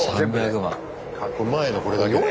前のこれだけで？